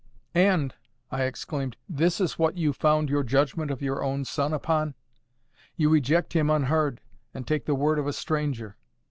"And," I exclaimed, "this is what you found your judgment of your own son upon! You reject him unheard, and take the word of a stranger!